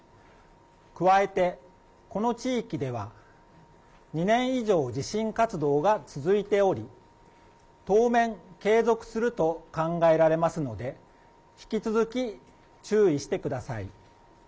加えてこの地域では２年以上、地震活動が続いており当面継続すると考えられますので引き続き注意してください。